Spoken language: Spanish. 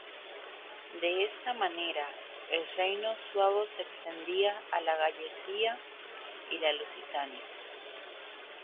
De esta manera, el reino suevo se extendía a la Gallaecia y la Lusitania.